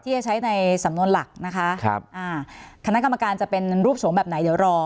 จะใช้ในสำนวนหลักนะคะครับอ่าคณะกรรมการจะเป็นรูปสงฆ์แบบไหนเดี๋ยวรอ